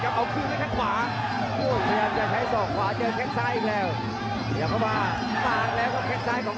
อยากจะเลือกวิธีเตาใหญ่ครับตะเบาทอง